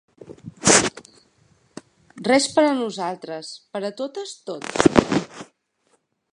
Res per a nosaltres; per a totes, tot.